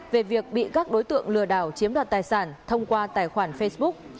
về việc bị các đối tượng lừa đảo chiếm đoạt tài sản thông qua tài khoản facebook